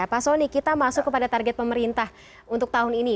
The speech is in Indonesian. pak soni kita masuk kepada target pemerintah untuk tahun ini